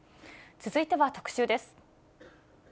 続いては特集です。